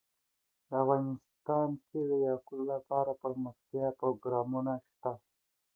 افغانستان کې د یاقوت لپاره دپرمختیا پروګرامونه شته.